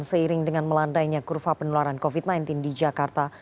seiring dengan melandainya kurva penularan covid sembilan belas di jakarta